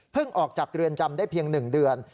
ออกจากเรือนจำได้เพียง๑เดือน